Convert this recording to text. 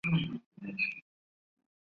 开禧二年为忠州防御使。